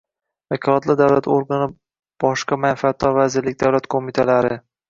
Vakolatli davlat organi boshqa manfaatdor vazirliklar, davlat qo‘mitalari